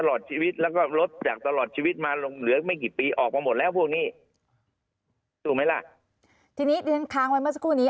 พวกนี้ถูกไหมล่ะทีนี้เรียนค้างไว้เมื่อสักครู่นี้